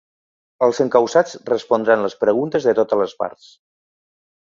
Els encausats respondran les preguntes de totes les parts.